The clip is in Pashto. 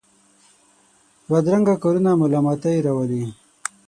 بدرنګه کارونه ملامتۍ راولي